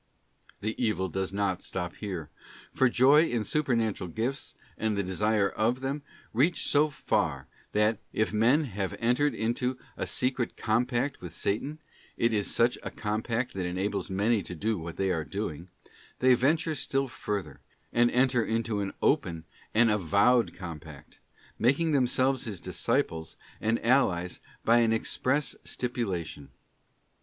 The evil does not stop here, for joy in supernatural gifts, and the desire of them, reach so far that, if men have entered into a secret compact with Satan—it is such a compact that enables many to do what they are doing—they venture still further, and enter into an open and avowed compact, making themselves his disciples and allies by an express stipulation.